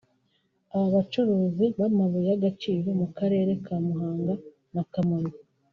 Aba bacukuzi b’amabuye y’agacirio mu Karere ka Muhanga na Kamonyi